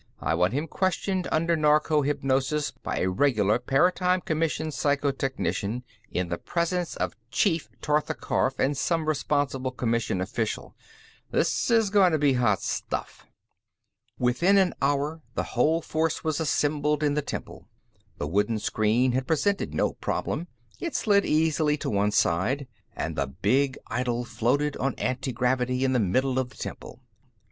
I want him questioned under narco hypnosis by a regular Paratime Commission psycho technician, in the presence of Chief Tortha Karf and some responsible Commission official. This is going to be hot stuff." Within an hour, the whole force was assembled in the temple. The wooden screen had presented no problem it slid easily to one side and the big idol floated on antigravity in the middle of the temple.